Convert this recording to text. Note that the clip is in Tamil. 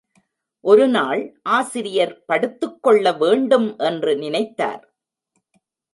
ஒரு நாள் ஆசிரியர் படுத்துக் கொள்ள வேண்டுமென்று நினைத்தார்.